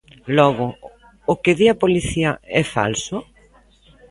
Logo, o que di a policía, é falso?